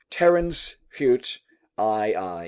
Terence, Heaut., i. I.